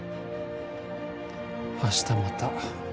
明日また